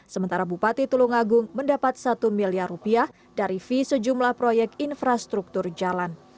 sementara bupati tulungagung mendapat satu miliar rupiah dari fee sejumlah proyek infrastruktur jalan